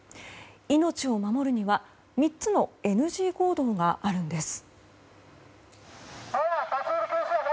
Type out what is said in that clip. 命を守るには３つのＮＧ行動があるんです。